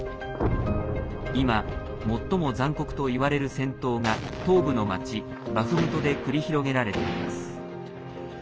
今、最も残酷といわれる戦闘が東部の町、バフムトで繰り広げられています。